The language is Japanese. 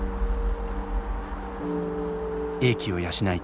英気を養いたい。